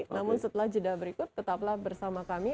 namun setelah jeda berikut tetaplah bersama kami